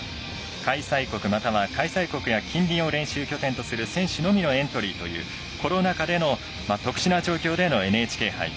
開催国、または開催国や近隣を練習拠点をする選手のみのエントリーというコロナ禍での特殊な状況でのＮＨＫ杯。